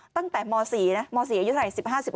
ตั้งแต่มศนะมศอายุศรัย๑๕๑๖